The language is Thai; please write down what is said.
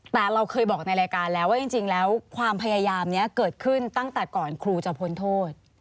แต่เราเคยบอกในรายการแล้วว่าจริงแล้วความพยายามนี้เกิดขึ้นตั้งแต่ก่อนครูจะพ้นโทษ